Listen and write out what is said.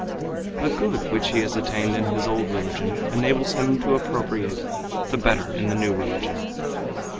The good which he has attained in his old religion enables him to appropriate the better in the new religion.